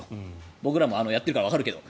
僕らもやってるからわかるけど。